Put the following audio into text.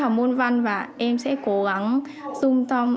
học môn văn và em sẽ cố gắng